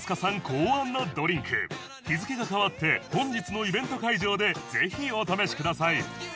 考案のドリンク日付が変わって本日のイベント会場でぜひお試しください